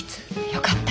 よかった。